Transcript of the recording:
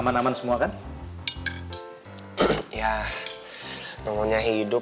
panggilan kita saat ini bukan minggu ini ya hou